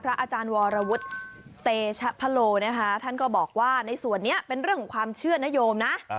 อาจารย์วรวุฒิเตชะพะโลนะคะท่านก็บอกว่าในส่วนนี้เป็นเรื่องของความเชื่อนโยมนะ